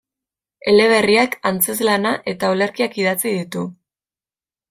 Eleberriak, antzezlana eta olerkiak idatzi ditu.